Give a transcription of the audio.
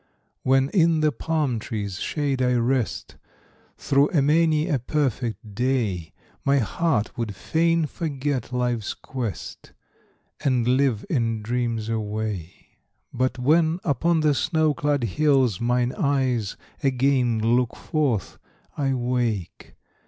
When in the palm tree's shade I rest Through a many a perfect day, My heart would fain forget life's quest, And live in dreams alway; But when upon the snow clad hills Mine eyes again look forth, I wake.